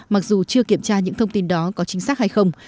mặc dù chưa kiểm tra những thông tin đó có chính xác hay không